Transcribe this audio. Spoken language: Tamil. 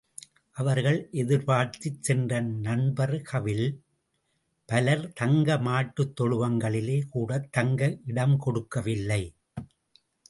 அவர்கள் எதிர்பார்த்துச் சென்ற நண்பர்கவில் பலர் தங்க மாட்டுத்தொழுவங்களிலே கூடத் தங்க இடம் கொடுக்கவில்லை.